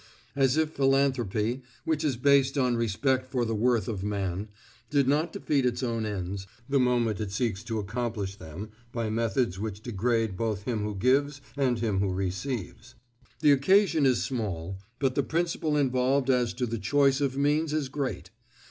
As if philanthropy which is based on respect for the worth of man did not defeat its own ends, the moment it seeks to accomplish them by methods which degrade both him who gives and him who receives. The occasion is small, but the principle involved as to the choice of means is great.